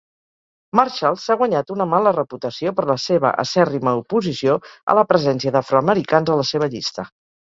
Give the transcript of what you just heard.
Marshall s'ha guanyat una mala reputació per la seva acèrrima oposició a la presència d'afroamericans a la seva llista.